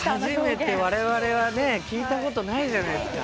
われわれはね聞いたことないじゃないですか。